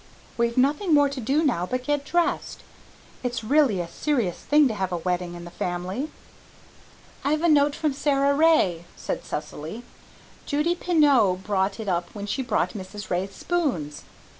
"We've nothing more to do now but get dressed. It's really a serious thing to have a wedding in the family." "I have a note from Sara Ray," said Cecily. "Judy Pineau brought it up when she brought Mrs. Ray's spoons.